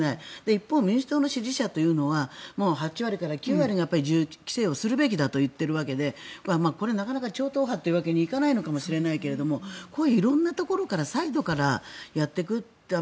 一方、民主党の支持者というのは８割から９割ぐらいが銃規制をするべきだと言っているわけでこれはなかなか超党派というわけにはいかないのかもしれないけど色んなところからサイドからやっていくという。